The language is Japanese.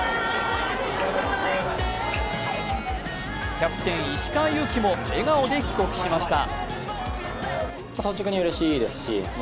キャプテン・石川祐希も笑顔で帰国しました。